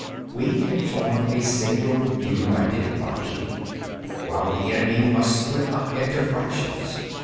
14. We can form a single united body, while the enemy must split up into fractions.